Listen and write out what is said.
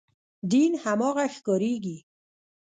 دین هماغه ښکارېږي.